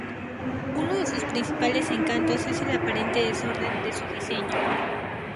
Uno de sus principales encantos es el aparente desorden de su diseño.